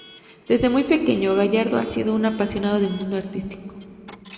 Desde muy pequeño, Gallardo ha sido un apasionado del mundo artístico.